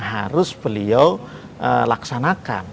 harus beliau laksanakan